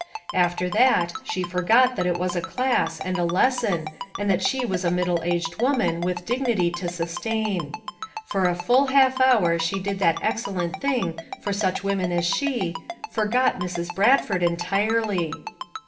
After that, she forgot that it was a class, and a lesson, and that she was a middle aged woman with dignity to sustain; for a full half hour she did that excellent thing for such women as she, forgot Mrs. Bradford entirely.